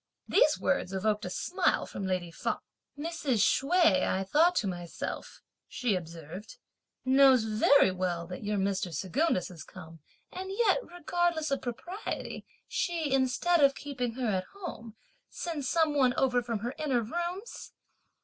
These words evoked a smile from lady Feng. "Mrs. Hsueh, I thought to myself," she observed, "knows very well that your Mr. Secundus has come, and yet, regardless of propriety, she, instead (of keeping her at home), sends some one over from her inner rooms!